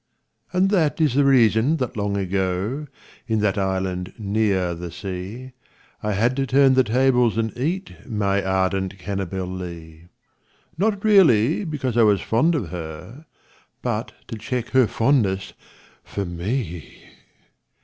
And that is the reason that long ago. In that island near the sea, I had to turn the tables and eat My ardent Cannibalee — Not really because I was fond of her, But to check her fondness for me.